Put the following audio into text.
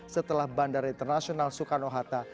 setelah bandara internasional soekarno hatta